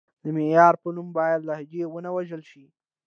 د معیار په نوم باید لهجې ونه وژل شي.